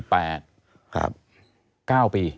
ตั้งแต่ปี๒๕๓๙๒๕๔๘